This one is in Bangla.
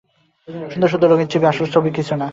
সুন্দর-সুন্দর রঙিন ছবি-আসল ব্যাপার কিছু নেই।